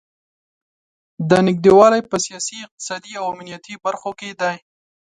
دا نږدې والی په سیاسي، اقتصادي او امنیتي برخو کې دی.